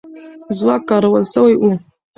ځواک کارول سوی وو.